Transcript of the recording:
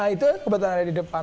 itu kebetulan ada di depan